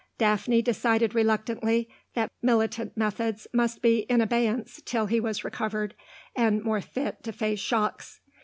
Daphne decided reluctantly that militant methods must be in abeyance till he was recovered, and more fit to face shocks.